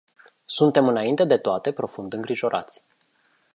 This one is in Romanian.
Suntem înainte de toate profund îngrijorați.